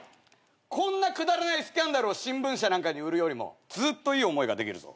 こんなくだらないスキャンダルを新聞社なんかに売るよりもずっといい思いができるぞ。